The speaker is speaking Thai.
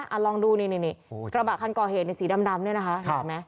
อัลลองดูระบากคันกอเหนสีมันดำดำเลยนะคะ